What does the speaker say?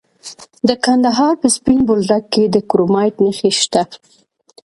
د کندهار په سپین بولدک کې د کرومایټ نښې شته.